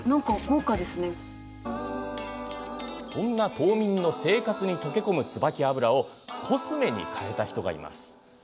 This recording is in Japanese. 島民の生活に溶け込むツバキ油をコスメに変えた人がいます。